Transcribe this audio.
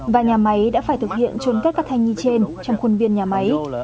và nhà máy đã phải thực hiện trôn cất các thai nhi trên trong khuôn viên nhà máy